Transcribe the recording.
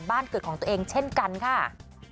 บ้านเกิดของตัวเองเช่นกันค่ะ